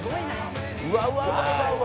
うわうわうわうわ！」